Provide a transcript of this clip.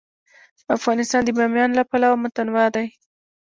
افغانستان د بامیان له پلوه متنوع دی.